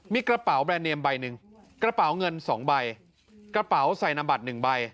มีกระเป๋าแบรนดเนมใบหนึ่งกระเป๋าเงิน๒ใบกระเป๋าใส่นมบัตรหนึ่งใบ